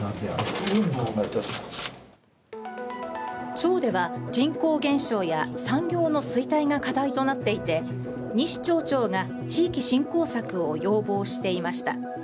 町では人口減少や産業の衰退が課題となっていて西町長が地域振興策を要望していました。